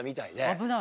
危ない。